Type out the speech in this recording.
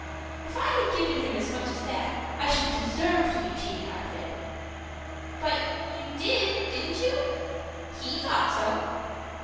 "If I had given him as much as that, I should deserve to be cheated out of it." "But you did,—didn't you?" "He thought so."